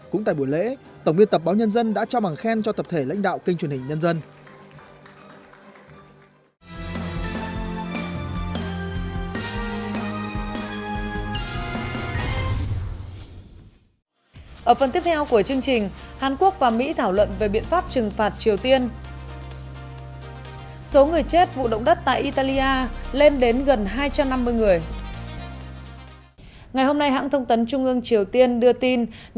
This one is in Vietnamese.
cũng tại buổi lễ tổng biên tập báo nhân dân đã trao bằng khen cho tập thể lãnh đạo kênh truyền hình nhân dân